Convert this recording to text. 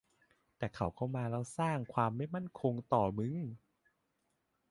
แต่เขาเข้ามาแล้วสร้าง ความไม่มั่นคงต่อมึง